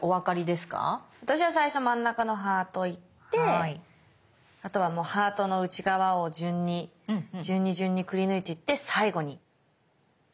私は最初真ん中のハート行ってあとはハートの内側を順に順に順にくりぬいていって最後にバッと落とそうかなと。